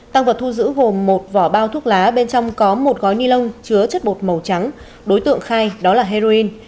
tăng vật thu giữ gồm một vỏ bao thuốc lá bên trong có một gói ni lông chứa chất bột màu trắng đối tượng khai đó là heroin